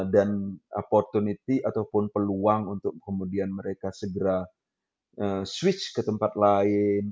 dan opportunity ataupun peluang untuk kemudian mereka segera switch ke tempat lain